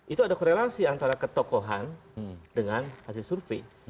itu ada korelasi antara ketokohan dengan hasil survei